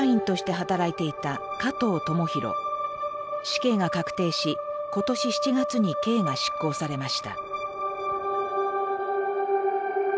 死刑が確定し今年７月に刑が執行されました。